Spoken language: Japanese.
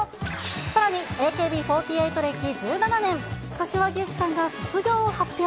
さらに、ＡＫＢ４８歴１７年、柏木由紀さんが卒業を発表。